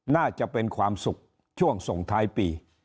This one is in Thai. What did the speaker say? น่าจะเป็นความสุขช่วงส่งท้ายปี